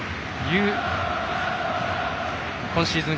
今シーズン